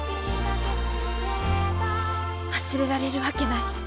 忘れられるわけない。